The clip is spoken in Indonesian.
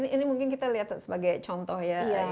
ini mungkin kita lihat sebagai contoh ya